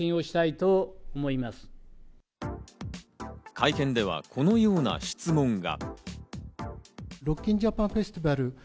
会見では、このような質問が。